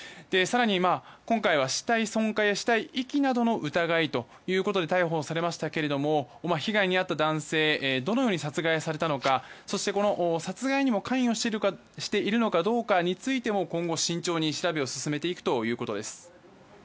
更に、今回は死体損壊や死体遺棄などの疑いということで逮捕されましたが被害に遭った男性はどのように殺害されたのかそして、殺害にも関与しているのかどうかについても今後、慎重に調べを進めていくということです。